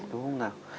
đúng không nào